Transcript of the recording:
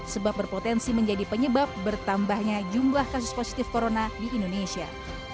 sebab berpotensi menjadi penyebab bertambahnya jumlah kasus positif corona di indonesia